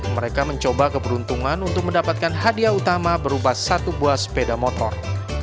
mereka mencoba keberuntungan untuk mendapatkan hadiah utama berubah satu buah sepeda motor